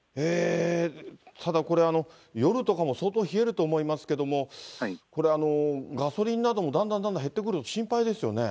ただこれ、夜とかも相当冷えると思いますけども、ガソリンなどもだんだんだんだん減ってくると心配ですよね。